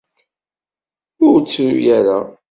Ur ttru ara!